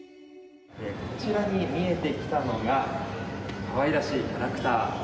こちらに見えてきたのがかわいらしいキャラクター。